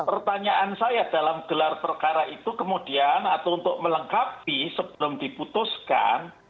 pertanyaan saya dalam gelar perkara itu kemudian atau untuk melengkapi sebelum diputuskan